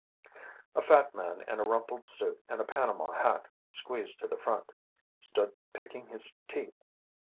A fat man in a rumpled suit and a panama hat squeezed to the front, stood picking his teeth.